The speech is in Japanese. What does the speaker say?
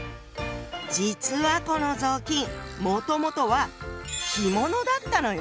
実はこの雑巾もともとは着物だったのよ。